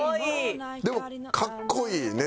でも格好いいね